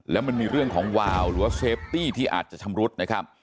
แล้วมันมีเรื่องของวาวหรือว่าเซฟตี้ที่อาจจะชำรุดนะครับ